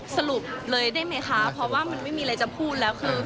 สรุปเลยได้ไหมคะเพราะว่ามันไม่มีอะไรจะพูดแล้วคือ